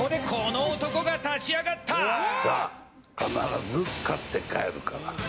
必ず勝って帰るから。